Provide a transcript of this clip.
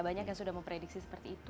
banyak yang sudah memprediksi seperti itu